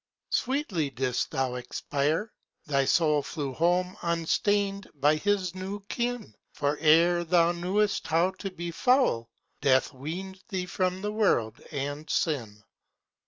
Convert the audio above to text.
Sweetly didst thou expire: thy soul Flew home unstained by his new kin ; For ere thou knew'st how to be foul, Death weaned thee from the world and sin.